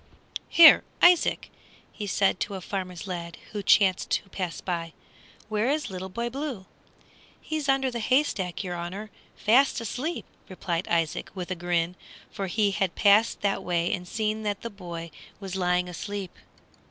"Here, Isaac," he said to a farmer's lad who chanced to pass by, "where is Little Boy Blue?" "He's under the hay stack, your honor, fast asleep!" replied Isaac with a grin, for he had passed that way and seen that the boy was lying asleep.